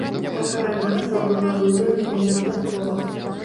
Такая назва была выбраная невыпадкова.